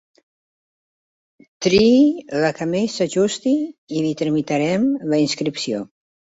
Triï la que més s'ajusti i li tramitarem la inscripció.